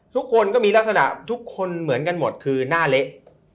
ทุกคนก็มีลักษณะทุกคนเหมือนกันหมดคือหน้าเละ